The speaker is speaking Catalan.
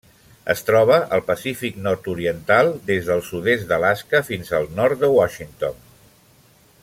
Es troba al Pacífic nord-oriental: des del sud-est d'Alaska fins al nord de Washington.